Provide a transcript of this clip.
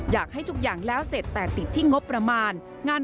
อยากให้ทุกอย่างแล้วเสร็จแต่ติดที่งบประมาณ